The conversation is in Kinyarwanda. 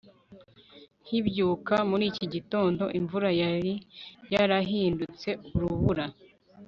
nkibyuka muri iki gitondo, imvura yari yarahindutse urubura